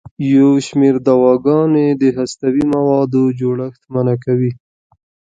یو شمېر دواګانې د هستوي موادو جوړښت منع کوي.